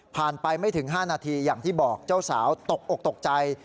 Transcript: ไปไม่ถึง๕นาทีอย่างที่บอกเจ้าสาวตกอกตกใจ